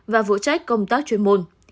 và vụ trách công tác chuyên môn